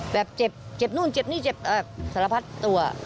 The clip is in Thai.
แบบเจ็บเจ็บนู่นเจ็บนี่เจ็บสารพัดตัว